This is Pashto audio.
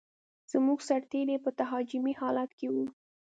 زموږ سرتېري په تهاجمي حالت کې و.